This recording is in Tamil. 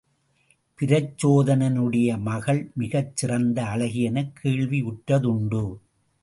பிரச்சோதனனுடைய மகள் மிகச் சிறந்த அழகியெனக் கேள்வியுற்றதுண்டு.